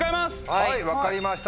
はい分かりました。